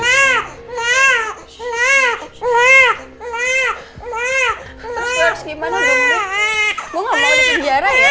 terus lu harus gimana dong deh